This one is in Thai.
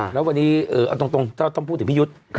แล้ววันนี้เอาตรงต้องพูดถึงพี่ยุทธ์